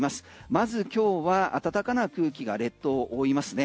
まず今日は暖かな空気が列島を覆いますね。